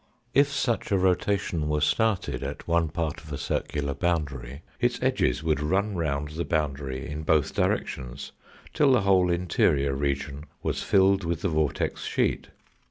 If such a rotation were started at one part of a circular boundary, its edges would run round the boundary in both directions till the whole interior region was filled with the vortex sheet.